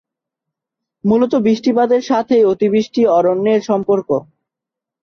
মূলত বৃষ্টিপাতের সাথেই অতিবৃষ্টি অরণ্যের সম্পর্ক।